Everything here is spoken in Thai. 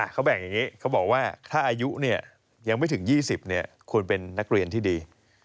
เขาแบ่งอย่างนี้เขาบอกว่าถ้าอายุยังไม่ถึง๒๐ควรเป็นนักเรียนที่ดี